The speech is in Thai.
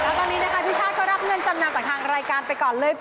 แล้วตอนนี้นะคะพี่ชาติเขารับเงินจำนำจากทางรายการไปก่อนเลย